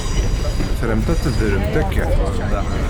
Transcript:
Tramt ad teddremt akka?